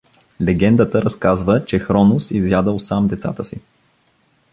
Легендата разказва, че Хронос изядал сам децата си.